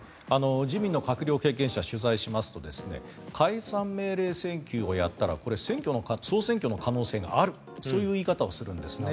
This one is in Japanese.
自民の閣僚経験者取材しますと解散命令請求をやったら総選挙の可能性があるそういう言い方をするんですね。